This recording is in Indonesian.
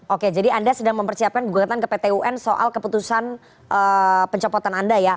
oke jadi anda sedang mempersiapkan gugatan ke pt un soal keputusan pencopotan anda ya